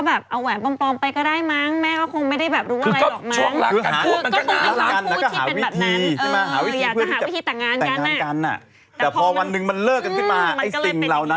ถ้าเกิดท้องก่อนเราก็อาจจะมีโอกาสให้แต่งงานกันหรือเปล่า